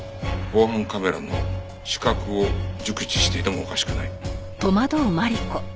防犯カメラの死角を熟知していてもおかしくない。